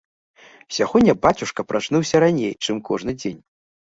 Сягоння бацюшка прачнуўся раней, чым кожны дзень.